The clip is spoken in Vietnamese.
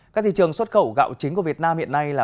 các thị trường xuất khẩu gạo chính của việt nam hiện nay là